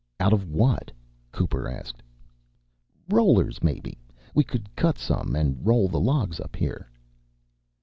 "Out of what?" Cooper asked. "Rollers, maybe. We could cut some and roll the logs up here."